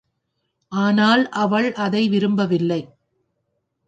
ஆனால் அவள் அதை விரும்பவில்லை.